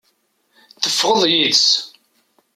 Tefɣeḍ yid-s.